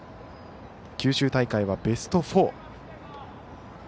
九州大会はベスト４。